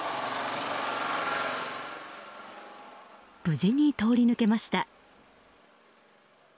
無事に通り抜けました。